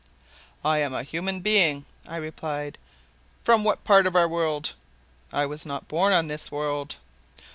"I am a human being," I replied. "From what part of our world?" "I was not born on this world."